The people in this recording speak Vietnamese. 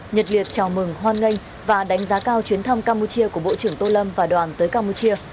nhật liệt chào mừng hoan nghênh và đánh giá cao chuyến thăm campuchia của bộ trưởng tô lâm và đoàn tới campuchia